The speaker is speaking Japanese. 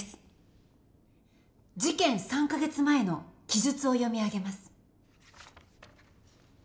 事件３か月前の記述を読み上げます。